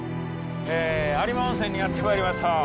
有馬温泉にやって参りました。